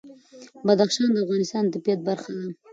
بدخشان د افغانستان د طبیعت برخه ده.